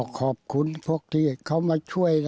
ขอบคุณพวกที่เขามาช่วย